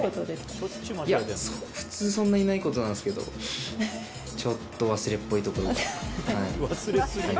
いや、普通そんなにないことなんですけど、ちょっと忘れっぽいところが。